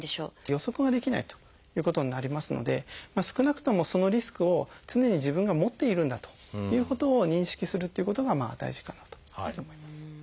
予測ができないということになりますので少なくともそのリスクを常に自分が持っているんだということを認識するっていうことが大事かなというふうに思います。